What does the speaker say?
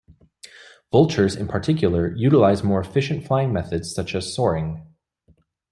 Vultures in particular utilize more efficient flying methods such as soaring.